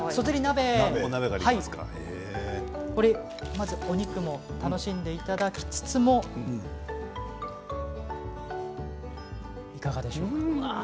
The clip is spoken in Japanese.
まず、お肉も楽しんでいただきつついかがでしょう？